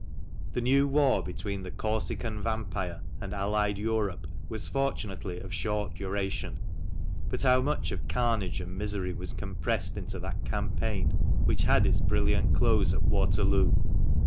The new war between the "Corsican Vampire" and allied Europe was fortunately of short duration ; but how much of carnage and misery was compressed into that campaign which had its brilliant close at Waterloo!